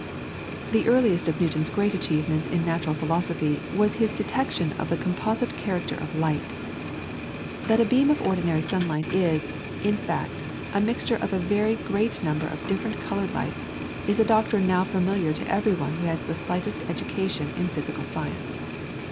The earliest of Newton's great achievements in natural philosophy was his detection of the composite character of light. That a beam of ordinary sunlight is, in fact, a mixture of a very great number of different coloured lights, is a doctrine now familiar to every one who has the slightest education in physical science.